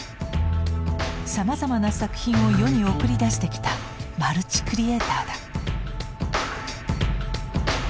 さまざまな作品を世に送り出してきたマルチクリエーターだ。